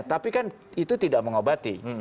tapi kan itu tidak mengobati